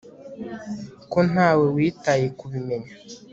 ko ntawe witaye kubimenya